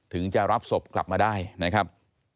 ถึงจะรับศพกลับมาได้นะครับ